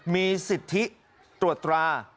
มีสิทธิตรวจตรา